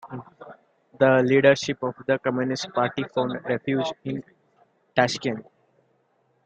The leadership of the Communist Party found refuge in Tashkent.